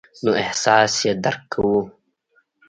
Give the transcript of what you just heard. نو احساس یې درک کوو.